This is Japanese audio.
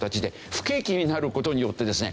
不景気になる事によってですね